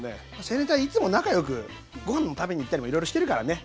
青年隊いつも仲よくご飯も食べに行ったりもいろいろしてるからね。